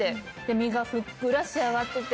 身がふっくら仕上がってて。